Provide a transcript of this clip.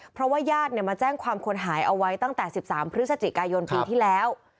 เพราะว่าญาติมาแจ้งความคนหายเอาไว้ตั้งแต่๑๓พฤศจิกายนปีที่แล้ว